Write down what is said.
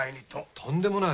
とんでもない。